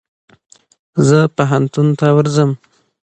زه پوهنتون ته ورځم.